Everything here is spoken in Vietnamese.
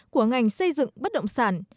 của ngành xây dựng bất động sản